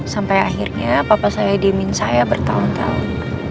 sampai akhirnya papa saya diemin saya bertahun tahun